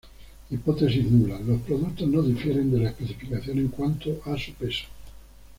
Hipótesis nula: los productos no difieren de la especificación en cuanto a su peso.